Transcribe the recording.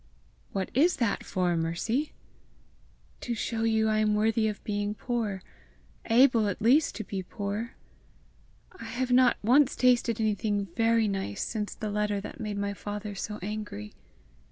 "What IS that for, Mercy?" "To show you I am worthy of being poor able at least to be poor. I have not once tasted anything VERY nice since the letter that made my father so angry."